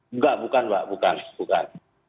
enggak bukan mbak bukan